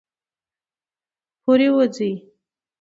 پورې ، وځي